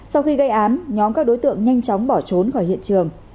sau khi gây án nhóm các đối tượng nhanh chóng bỏ trốn khỏi hiện trường